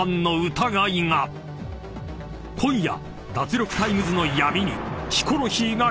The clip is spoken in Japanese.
［今夜］